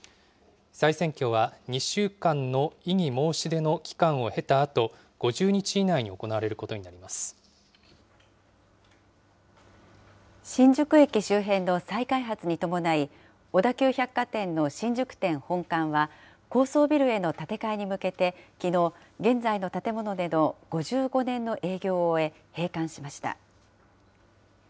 再選挙は２週間の異議申し出の期間を経たあと、５０日以内に行わ新宿駅周辺の再開発に伴い、小田急百貨店の新宿店本館は、高層ビルへの建て替えに向けて、きのう、現在の建物での５５年の営業を終え、閉館しました。